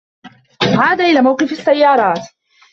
عاد إلى موقف السّيّارات.